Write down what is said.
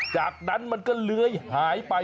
จากนั้นมันก็เลื้อยหายไป